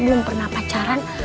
belum pernah pacaran